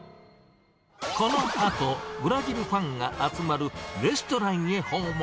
このあと、ブラジルファンが集まるレストランへ訪問。